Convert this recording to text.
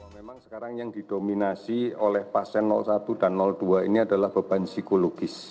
memang sekarang yang didominasi oleh pasien satu dan dua ini adalah beban psikologis